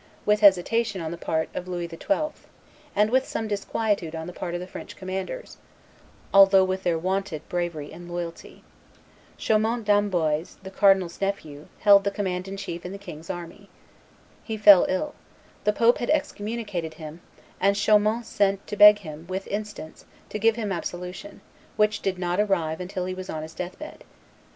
with hesitation on the part of Louis XII., and with some disquietude on the part of the French commanders, although with their wonted bravery and loyalty. Chaumont d'Amboise, the cardinal's nephew, held the command in chief in the king's army. He fell ill: the pope had excommunicated him; and Chaumont sent to beg him, with instance, to give him absolution, which did not arrive until he was on his death bed.